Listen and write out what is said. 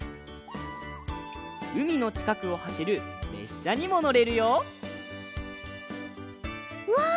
うみのちかくをはしるれっしゃにものれるようわ